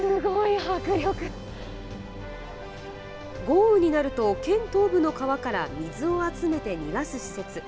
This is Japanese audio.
豪雨になると、県東部の川から水を集めて逃がす施設。